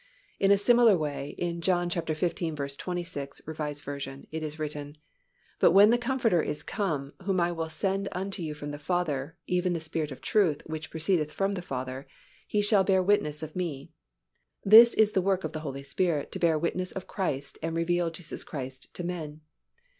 In a similar way in John xv. 26, R. V., it is written, "But when the Comforter is come, whom I will send unto you from the Father, even the Spirit of truth, which proceedeth from the Father, He shall bear witness of Me." This is the work of the Holy Spirit to bear witness of Christ and reveal Jesus Christ to men.